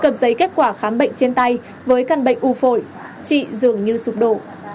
cập giấy kết quả khám bệnh trên tay với căn bệnh u phổi chị dường như sụp đổ